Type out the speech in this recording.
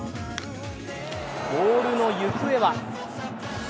ボールの行方は？